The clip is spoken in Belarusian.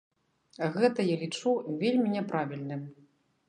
Гэта я лічу вельмі няправільным.